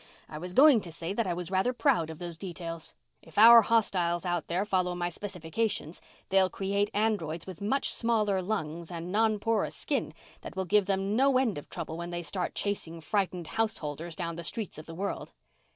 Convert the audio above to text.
"I was going to say that I was rather proud of those details. If our hostiles out there follow my specifications, they'll create androids with much smaller lungs and non porous skin that will give them no end of trouble when they start chasing frightened householders down the streets of the world."